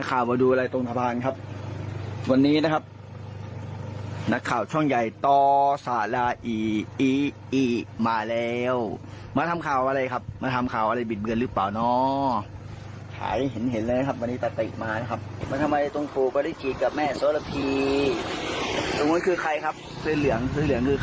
ลูกม้อยคือใครครับเส้นเหลืองคือใครครับนี่รถครับรถใครน้องรถใครน้อง